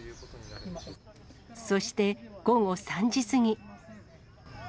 そして、午後３時過ぎ。